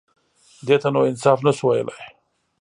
_دې ته نو انصاف نه شو ويلای.